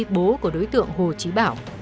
bố của đối tượng hồ trí bảo